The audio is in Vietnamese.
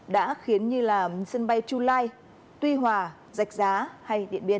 đã khiến như là sân bay july tuy hòa dạch giá hay điện biên